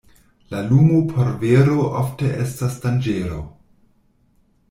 La lumo por vero ofte estas danĝero.